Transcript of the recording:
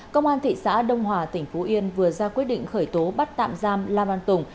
công an thị xã đông hòa tỉnh phú yên vừa ra quyết định khởi tố bắt tạm giam la văn tùng